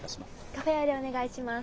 カフェオレお願いします。